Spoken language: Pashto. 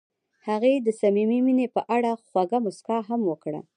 هغې د صمیمي مینه په اړه خوږه موسکا هم وکړه.